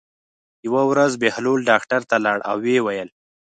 یوه ورځ بهلول ډاکټر ته لاړ او ویې ویل.